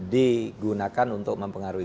digunakan untuk mempengaruhi